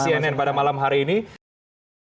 terima kasih banyak mas woyi sudah hadir terima kasih